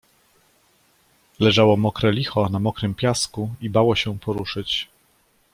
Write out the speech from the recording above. Leżało mokre licho na mokrym piasku i bało się poruszyć.